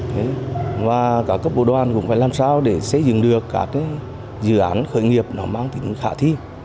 thế và các cấp bộ đoàn cũng phải làm sao để xây dựng được các dự án khởi nghiệp nó mang tính khả thi